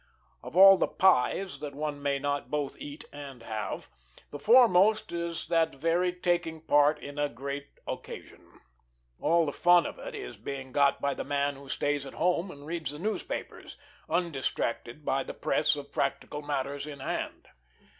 Of all the pies that one may not both eat and have, the foremost is that very taking part in a great occasion. All the fun of it is being got by the man who stays at home and reads the newspapers, undistracted by the press of practical matters in hand.